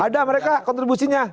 ada mereka kontribusinya